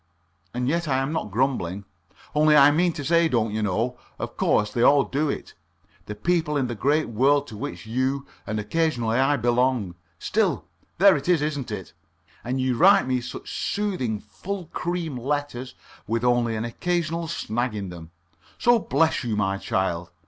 And yet I'm not grumbling. Only I mean to say, don't you know? Of course, they all do it the people in the great world to which you, and occasionally I, belong. Still, there it is, isn't it? And you write me such soothing full cream letters with only an occasional snag in them. So bless you, my child.